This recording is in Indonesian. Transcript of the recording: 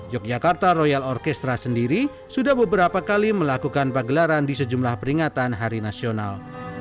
yogyakarta royal orkestra sendiri sudah beberapa kali melakukan pagelaran di sejumlah peringatan hari nasional